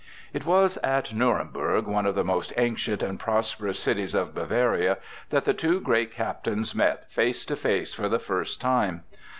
It was at Nuremberg, one of the most ancient and prosperous cities of Bavaria, that the two great captains met face to face for the first time.